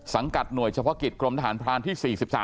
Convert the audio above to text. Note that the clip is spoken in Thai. หน่วยเฉพาะกิจกรมทหารพรานที่๔๓